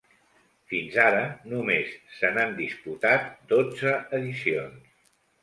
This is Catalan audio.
Fins ara només se n’han disputat dotze edicions.